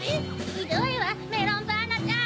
ひどいわメロンパンナちゃん！